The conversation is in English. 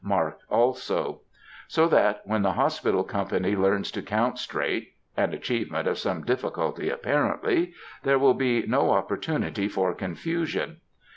marked also; so that when the Hospital company learns to count straight,—an achievement of some difficulty, apparently,—there will be no opportunity for confusion.